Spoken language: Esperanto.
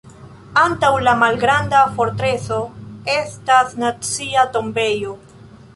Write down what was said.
Antaŭ La malgranda fortreso estas Nacia tombejo.